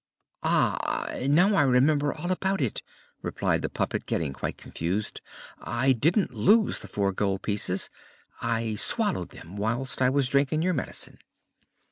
"Ah! now I remember all about it," replied the puppet, getting quite confused; "I didn't lose the four gold pieces, I swallowed them whilst I was drinking your medicine."